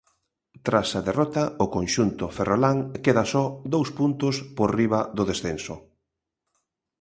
Tras a derrota, o conxunto ferrolán queda só dous puntos por riba do descenso.